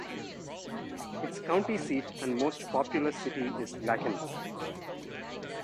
Its county seat and most populous city is Lakin.